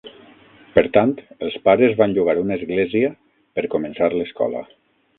Per tant, els pares van llogar una església per començar l'escola.